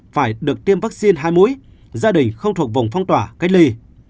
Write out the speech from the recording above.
phải được tiêm vaccine hai mũi gia đình không thuộc vùng phong tỏa cách ly